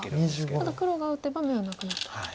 ただ黒が打てば眼はなくなると。